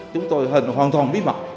chúng tôi hẳn hoàn toàn bí mật